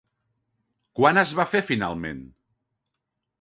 Quan es va fer finalment?